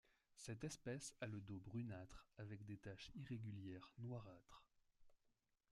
Cette espèce a le dos brunâtre avec des taches irrégulières noirâtres.